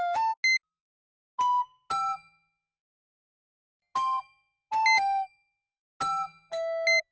ピッ。